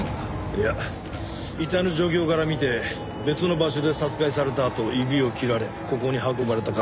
いや遺体の状況から見て別の場所で殺害されたあと指を切られここに運ばれた可能性が高い。